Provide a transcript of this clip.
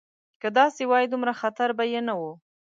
که داسې وای دومره خطر به یې نه و.